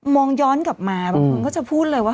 มองย้อนกลับมาบางคนก็จะพูดเลยว่า